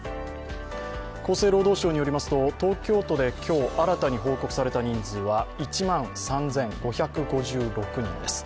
厚生労働省によりますと東京都で今日新に報告された人数は１万３５５６人です。